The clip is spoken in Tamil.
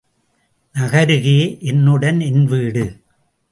நகருதே என்னுடன் என்வீடு!